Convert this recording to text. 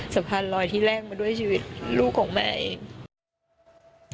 สะพานลอยที่แรกมาด้วยชีวิตลูกของแม่เอง